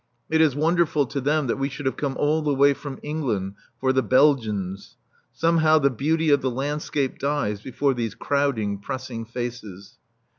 It is wonderful to them that we should have come all the way from England "pour les Belges!" Somehow the beauty of the landscape dies before these crowding, pressing faces.